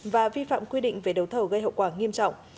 và vi phạm quy định về đấu thầu gây hậu quả nghiêm trọng